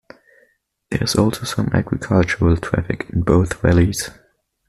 There is also some agricultural traffic in both valleys.